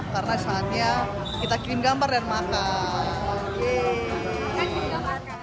karena saatnya kita kirim gambar dan makan